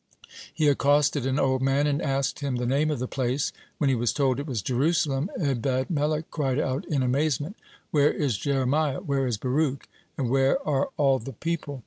He accosted an old man, and asked him the name of the place. When he was told it was Jerusalem, Ebed melech cried out in amazement: "Where is Jeremiah, where is Baruch, and where are all the people?"